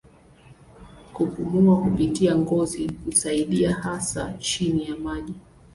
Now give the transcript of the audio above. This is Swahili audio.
Kupumua kupitia ngozi husaidia hasa chini ya maji.